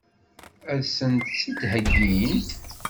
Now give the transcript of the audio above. Ad sent-tt-id-heggint?